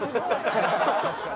確かに。